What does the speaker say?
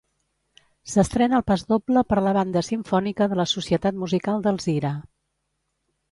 S'estrena el pasdoble per la Banda Simfònica de la Societat Musical d'Alzira.